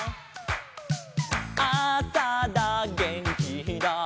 「あさだげんきだ」